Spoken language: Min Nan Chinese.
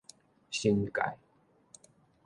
新界